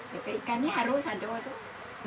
tepek ikannya harus aduk tuh